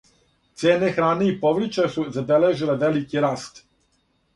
Цене хране и поврћа су забележиле велики раст.